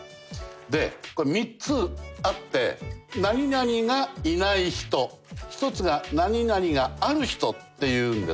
でこれ３つあって何々がいない人１つが何々がある人っていうんですけど。